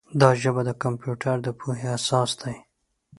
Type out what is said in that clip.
دا ژبه د کمپیوټر د پوهې اساس دی.